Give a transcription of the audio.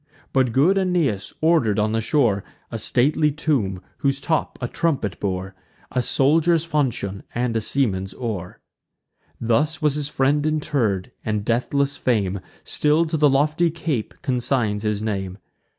But good Aeneas order'd on the shore A stately tomb, whose top a trumpet bore, A soldier's falchion, and a seaman's oar. Thus was his friend interr'd; and deathless fame Still to the lofty cape consigns his name.